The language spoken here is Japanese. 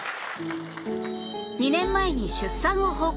２年前に出産を報告